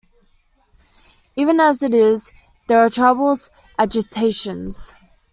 Even as it is — there are troubles — agitations.